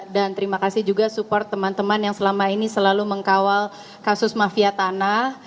dan terima kasih juga support teman teman yang selama ini selalu mengkawal kasus mafia tanah